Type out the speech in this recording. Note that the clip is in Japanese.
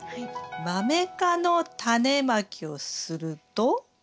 マメ科のタネまきをすると？